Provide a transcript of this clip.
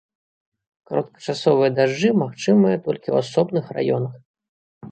Кароткачасовыя дажджы магчымыя толькі ў асобных раёнах.